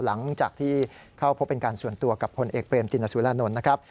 หลังจากที่เข้าพบเป็นการส่วนตัวกับพลเอกเบรมตินสุรานนท์นะครับ